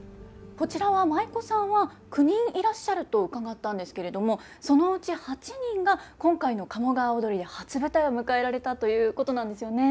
こちらは舞妓さんは９人いらっしゃると伺ったんですけれどもそのうち８人が今回の「鴨川をどり」で初舞台を迎えられたということなんですよね。